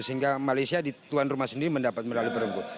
sehingga malaysia di tuan rumah sendiri mendapat medali perunggu